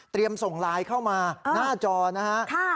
เตรียมส่งไลน์เข้ามาหน้าจอนะครับ